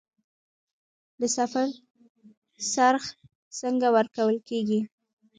د سفر خرڅ څنګه ورکول کیږي؟